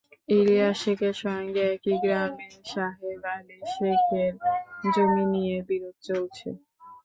ইলিয়াস শেখের সঙ্গে একই গ্রামের সাহেব আলী শেখের জমি নিয়ে বিরোধ চলছে।